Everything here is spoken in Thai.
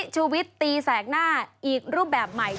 ส่วนต่างกระโบนการ